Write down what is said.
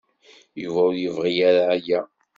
Yuba ur yebɣi ara aya.